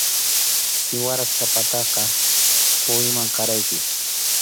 Siwara chhapataqa quwiman qaraykuy.